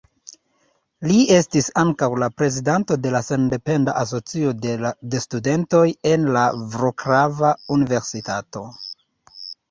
Li estis ankaŭ la prezidanto de Sendependa Asocio de Studentoj en la Vroclava Universitato.